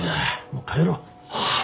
もう帰ろう。